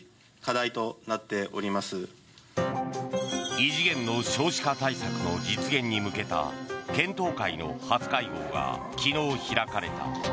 異次元の少子化対策の実現に向けた検討会の初会合が昨日開かれた。